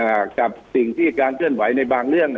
กับสิ่งที่การเคลื่อนไหวในบางเรื่อง